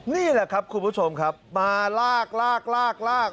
นี่แหละครับคุณผู้ชมครับมาลากลากลากลาก